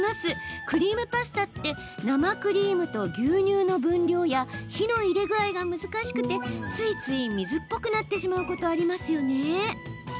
クリームパスタって生クリームと牛乳の分量や火の入れ具合が難しくついつい水っぽくなってしまうことありますよね。